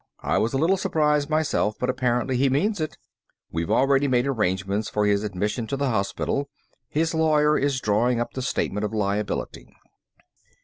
I was a little surprised myself, but apparently he means it. We've already made arrangements for his admission to the hospital. His lawyer is drawing up the statement of liability."